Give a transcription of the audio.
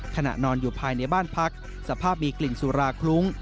ขณะนอนอยู่ภายในบ้านพักสภาพมีกลิ่นสุราคลุ้ง